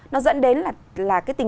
nó dẫn đến là cái tình trạng